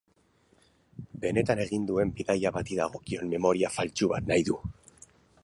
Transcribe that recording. Benetan egin duen bidaia bati dagokion memoria faltsu bat nahi du.